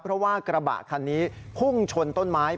เพราะว่ากระบะคันนี้พุ่งชนต้นไม้